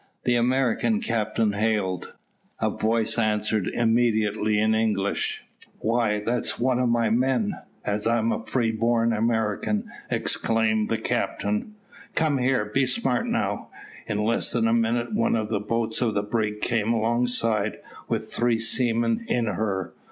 The American captain hailed. A voice answered immediately in English. "Why, that's one of my men, as I'm a freeborn American!" exclaimed the captain. "Come here; be smart now." In less than a minute one of the boats of the brig came alongside with three seamen in her.